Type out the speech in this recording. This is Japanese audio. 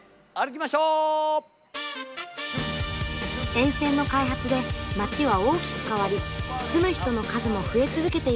沿線の開発で街は大きく変わり住む人の数も増え続けています。